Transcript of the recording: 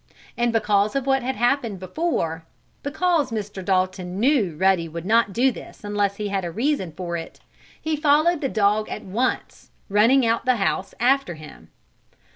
And because of what had happened before because Mr. Dalton knew Ruddy would not do this unless he had a reason for it he followed the dog at once, running out of the house after him.